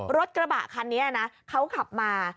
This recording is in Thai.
รถกระบะคันนี้นะเขาขับมา